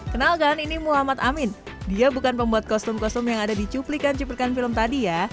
kenalkan ini muhammad amin dia bukan pembuat kostum kostum yang ada di cuplikan cuplikan film tadi ya